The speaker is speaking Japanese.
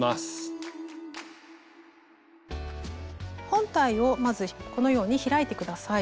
本体をまずこのように開いて下さい。